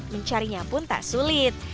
mencarinya pun tak sulit